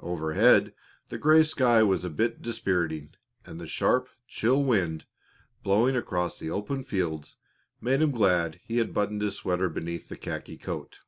Overhead the gray sky was a bit dispiriting, and the sharp, chill wind, blowing across the open fields, made him glad he had buttoned his sweater beneath the khaki coat.